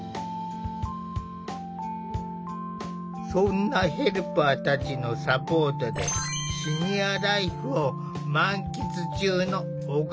そんなヘルパーたちのサポートでシニアライフを満喫中の小笠原さん。